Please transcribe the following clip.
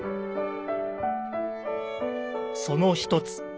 その１つ。